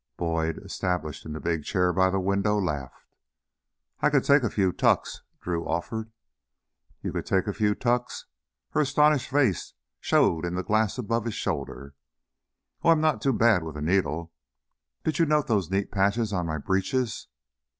Boyd, established in the big chair by the window, laughed. "I could take a few tucks," Drew offered. "You could take a few tucks!" Her astonished face showed in the glass above his shoulder. "Oh, I'm not too bad with a needle. Did you note those neat patches on my breeches